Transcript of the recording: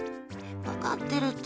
分かってるって。